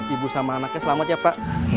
ibu sama anaknya selamat ya pak